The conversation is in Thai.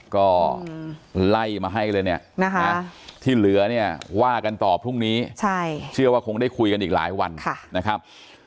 ก็ไล่มาให้เลยเนี่ยที่เหลือเนี่ยว่ากันต่อพรุ่งนี้เชื่อว่าคงได้คุยกันอีกหลายวันนะครับ